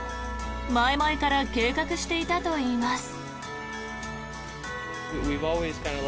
前々から計画していたといいます。